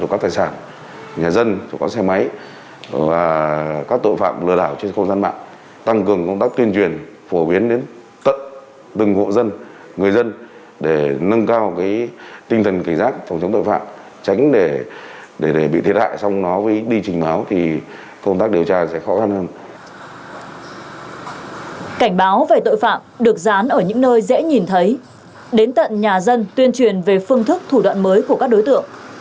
cảnh báo về tội phạm được dán ở những nơi dễ nhìn thấy đến tận nhà dân tuyên truyền về phương thức thủ đoạn mới của các đối tượng